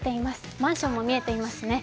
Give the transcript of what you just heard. マンションも見えていますね。